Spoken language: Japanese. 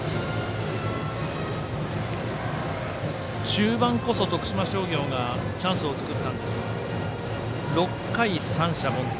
中盤こそ徳島商業がチャンスを作ったんですが６回、三者凡退。